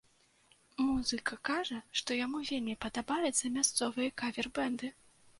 Музыка кажа, што яму вельмі падабаюцца мясцовыя кавер-бэнды.